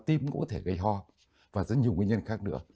tim cũng có thể gây ho và rất nhiều nguyên nhân khác nữa